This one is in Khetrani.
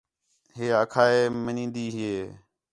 ہِے آکھا منیدی ہِے